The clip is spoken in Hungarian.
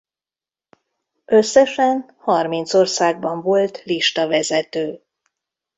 Összesen harminc országban volt listavezető.